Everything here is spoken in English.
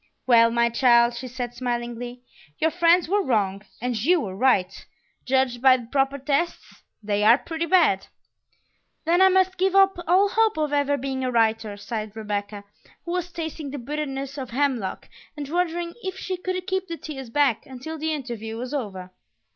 "Well, my child," she said smilingly, "your friends were wrong and you were right; judged by the proper tests, they are pretty bad." "Then I must give up all hope of ever being a writer!" sighed Rebecca, who was tasting the bitterness of hemlock and wondering if she could keep the tears back until the interview was over.